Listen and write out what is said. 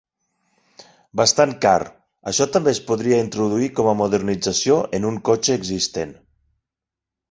Bastant car, això també es podria introduir com a modernització en un cotxe existent.